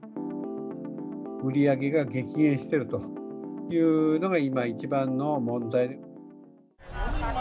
売り上げが激減してるというのが、今一番の問題。